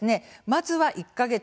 まずは１か月